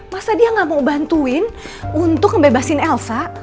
masa dia gak mau bantuin untuk ngebebasin elsa